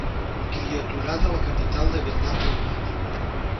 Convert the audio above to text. Criaturada a la capital de Vietnam del Nord.